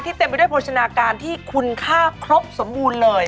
เต็มไปด้วยโภชนาการที่คุณค่าครบสมบูรณ์เลย